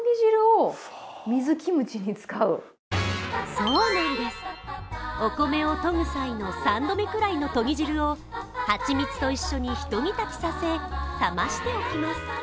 そうなんです、お米をとぐ際の３度目ぐらいのとぎ汁を蜂蜜と一緒に一煮立ちさせ冷ましておきます。